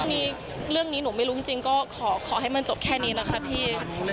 มีเรื่องนี้หนูไม่รู้จริงก็ขอให้มันจบแค่นี้นะคะพี่